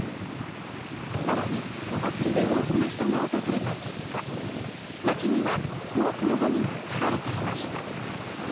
更にお祭りで多くの人が訪れた結果街には多くのごみが捨てられていました。